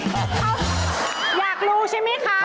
อยากรู้ใช่ไหมคะ